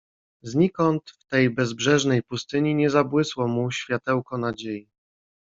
"Znikąd w tej bezbrzeżnej pustyni nie zabłysło mu światełko nadziei."